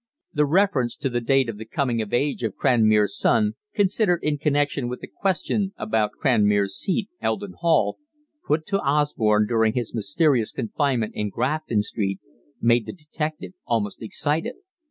The reference to the date of the coming of age of Cranmere's son, considered in connection with the questions about Cranmere's seat, Eldon Hall, put to Osborne during his mysterious confinement in Grafton Street, made the detective almost excited.